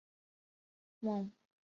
梦想成为小说家的山下耕太郎！